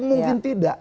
tapi mungkin tidak